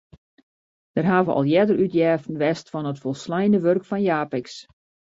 Der hawwe al earder útjeften west fan it folsleine wurk fan Japicx.